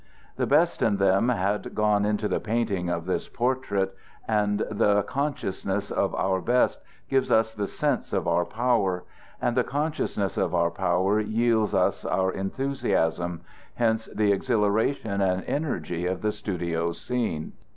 The best in them had gone into the painting of this portrait, and the consciousness of our best gives us the sense of our power, and the consciousness of our power yields us our enthusiasm; hence the exhilaration and energy of the studio scene.